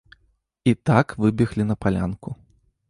І так выбеглі па палянку.